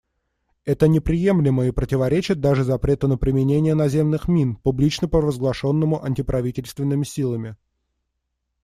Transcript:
Это неприемлемо и противоречит даже запрету на применение наземных мин, публично провозглашенному антиправительственными силами.